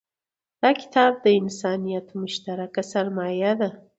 دا کتاب د انسانیت مشترکه سرمایه ده.